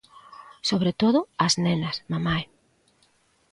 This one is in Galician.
Sobre todo ás nenas, mamai.